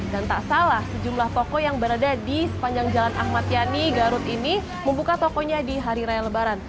dan tak salah sejumlah toko yang berada di sepanjang jalan ahmad yani garut ini membuka tokonya di hari raya lebaran